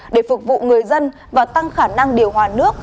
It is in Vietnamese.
để phục vụ người dân và tăng khả năng điều hòa nước